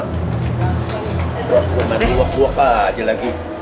udah dua dua aja lagi